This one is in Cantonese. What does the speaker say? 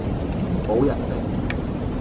冇人性!